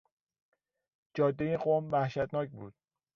جادهی قم وحشتناک بود.